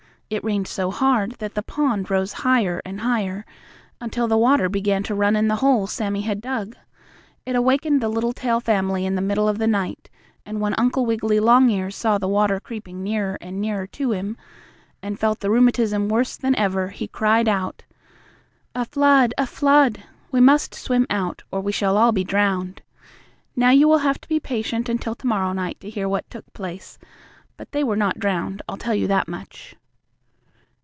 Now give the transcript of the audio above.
It rained so hard that the pond rose higher and higher, until the water began to run in the hole Sammie had dug. It awakened the Littletail family in the middle of the night, and when Uncle Wiggily Longears saw the water creeping nearer and nearer to him, and felt the rheumatism worse than ever, he cried out: "A flood! A flood! We must swim out, or we shall all be drowned." Now you will have to be patient until to morrow night to hear what took place. But they were not drowned; I'll tell you that much.